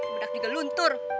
benak juga luntur